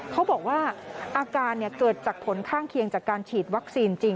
เขาบอกว่าอาการเกิดจากผลข้างเคียงจากการฉีดวัคซีนจริง